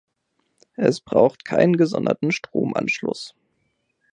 Es braucht keinen gesonderten Stromanschluss.